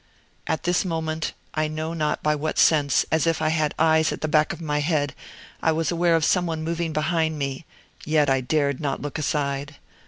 At this moment, I know not by what sense, as if I had eyes at the back of my head, I was aware of some one moving behind me, yet I dared not look aside.